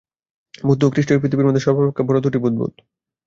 বুদ্ধ ও খ্রীষ্ট এই পৃথিবীর মধ্যে সর্বাপেক্ষা বড় দুটি বুদ্বুদ।